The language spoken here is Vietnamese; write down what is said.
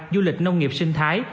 du lịch nông nghiệp sinh thái